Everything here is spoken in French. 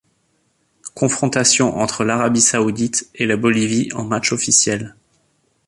Confrontations entre l'Arabie saoudite et la Bolivie en matchs officiels.